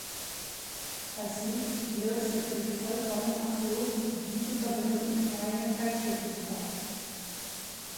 Falls nicht, wäre es natürlich vollkommen absurd, diese Verbindung in kleinen Teilstücken zu bauen.